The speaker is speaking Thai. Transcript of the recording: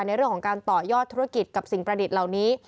ในเรื่องของการต่อยอดธุรกิจกับสิ่งประดิษฐ์เหล่านี้